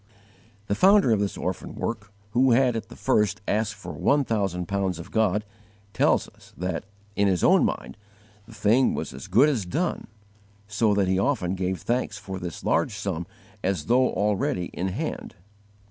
The founder of this orphan work, who had at the first asked for one thousand pounds of God, tells us that, in his own mind, the thing was as good as done, so that he often gave thanks for this large sum as though already in hand.